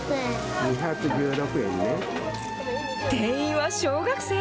店員は小学生？